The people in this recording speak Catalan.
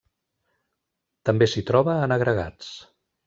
També s'hi troba en agregats.